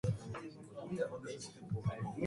窩蛋免治牛肉飯